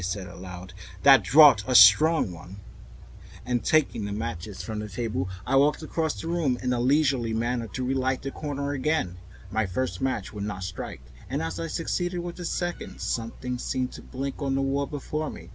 "By Jove," said I aloud, recovering from my surprise, "that draft's a strong one;" and taking the matchbox from the table, I walked across the room in a leisurely manner to relight the corner again. My first match would not strike, and as I succeeded with the second, something seemed to blink on the wall before me.